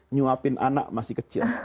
nyuapin anak masih kecil